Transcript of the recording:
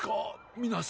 みなさん。